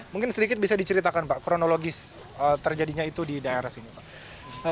mungkin sedikit bisa diceritakan pak kronologis terjadinya itu di daerah sini pak